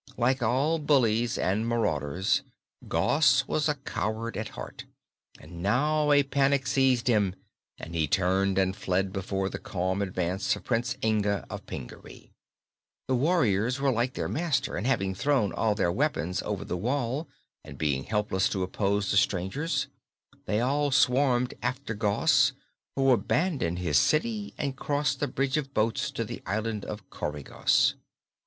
Like all bullies and marauders, Gos was a coward at heart, and now a panic seized him and he turned and fled before the calm advance of Prince Inga of Pingaree. The warriors were like their master, and having thrown all their weapons over the wall and being helpless to oppose the strangers, they all swarmed after Gos, who abandoned his city and crossed the bridge of boats to the Island of Coregos.